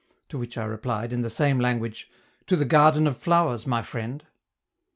To which I replied, in the same language, "To the Garden of Flowers, my friend."